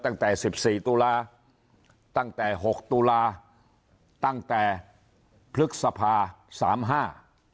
ตั้งแต่สิบสี่ตุลาตั้งแต่หกตุลาตั้งแต่พฤษภาสามห้า